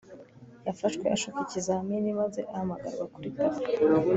yafashwe ashuka ikizamini maze ahamagarwa kuri tapi